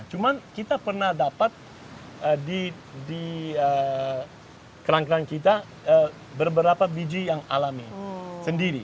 cuma kita pernah dapat di kerang kerang kita beberapa biji yang alami sendiri